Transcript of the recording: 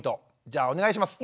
じゃあお願いします。